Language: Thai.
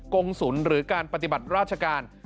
กงศุลหรือการปฏิบัติราชการ